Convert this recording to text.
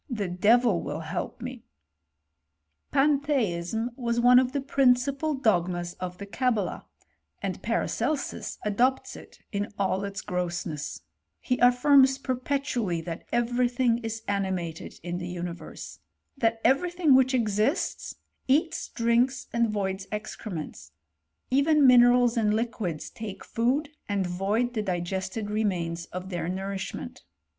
156 HISTOEY OF CHEMISTRY, Pantheism was one of the principal dogmas of the Cabala; and Paracelsus adopts it in all its grossness; He affirms perpetually that every thing is animated iii the universe; that every thing which exists, eats, drinks, and voids excrements: even minerals and liquids take food and void the digested remains of their nourishment.